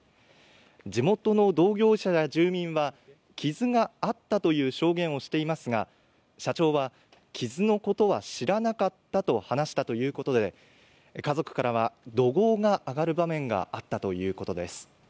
地元の同業者や住民は傷があったという証言をしていますが社長は傷のことは知らなかったと話したということで家族からは怒号が上がる場面があったということです。